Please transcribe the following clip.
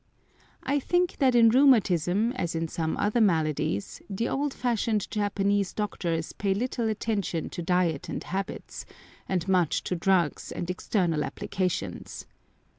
I think that in rheumatism, as in some other maladies, the old fashioned Japanese doctors pay little attention to diet and habits, and much to drugs and external applications.